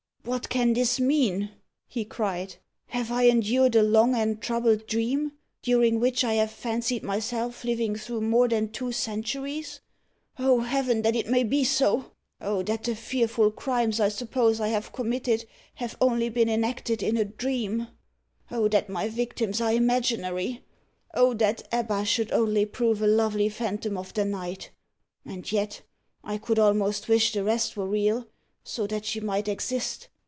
"What can this mean?" he cried. "Have I endured a long and troubled dream, during which I have fancied myself living through more than two centuries? O Heaven, that it may be so! Oh that the fearful crimes I suppose I have committed have only been enacted in a dream! Oh that my victims are imaginary! Oh that Ebba should only prove a lovely phantom of the night! And yet, I could almost wish the rest were real so that she might exist.